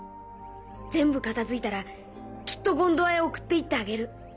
・全部片づいたらきっとゴンドアへ送って行ってあげる。